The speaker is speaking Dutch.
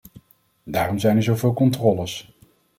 Daarom zijn er zo veel controles.